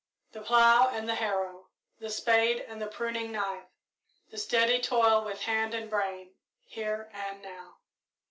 The plough and the harrow, the spade and the pruning knife, the steady toil with hand and brain here and now.